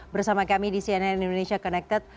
bersama kami di cnn indonesia connected